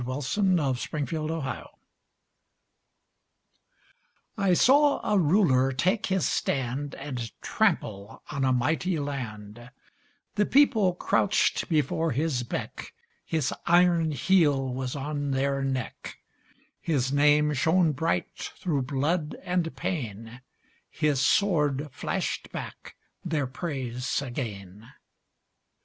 VERSE: THE THREE RULERS I saw a Ruler take his stand And trample on a mighty land; The People crouched before his beck, His iron heel was on their neck, His name shone bright through blood and pain, His sword flashed back their praise again.